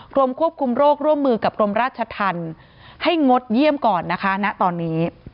กรมควบคุมโรคร่วมมือกับกรมราชธรรมให้งดเยี่ยมก่อนนะคะณตอนนี้